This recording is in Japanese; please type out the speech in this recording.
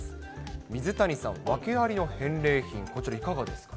水谷さん、訳ありの返礼品、こちらいかがですか？